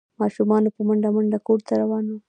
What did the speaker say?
ماشومان په منډه منډه کور ته روان وو۔